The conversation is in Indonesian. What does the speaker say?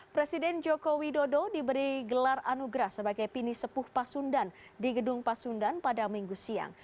presiden joko widodo diberi gelar anugerah sebagai pini sepuh pasundan di gedung pasundan pada minggu siang